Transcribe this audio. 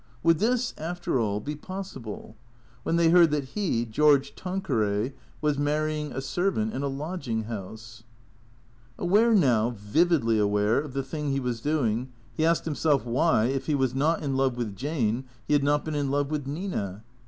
Would this, after all, be pos sible? When they heard that he, George Tanqueray, was mar rying a servant in a lodging house ? Aware now, vividly aware, of the thing he was doing, he asked himself why, if he was not in love with Jane, he had not been in love with Nina?